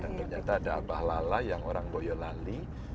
dan ternyata ada abah lala yang orang boyolali